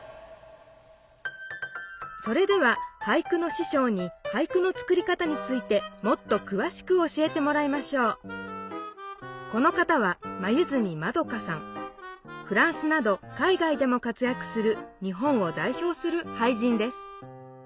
それでは俳句のししょうに俳句のつくり方についてもっとくわしく教えてもらいましょうフランスなど海外でも活やくする日本をだいひょうする俳人です。